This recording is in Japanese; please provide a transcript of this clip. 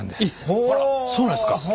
ほうそうなんですか！